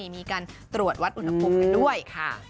มีการตรวจวัดอุณหภูมิกันด้วยค่ะ